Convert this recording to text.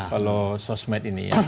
kalau sosmed ini ya